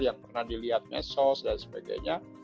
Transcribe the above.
yang pernah dilihat mesos dan sebagainya